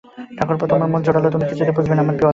ঠাকুরপো, তোমার মন জোরালো, তুমি কিছুতে বুঝবে না আমার বিপদ।